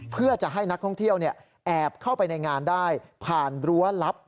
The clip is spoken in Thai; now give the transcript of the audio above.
เพื่อจะให้นักท่องเที่ยวแอบเข้าไปในงานได้ผ่านรั้วลับ